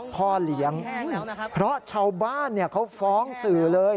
พ่อเลี้ยงเพราะชาวบ้านเขาฟ้องสื่อเลย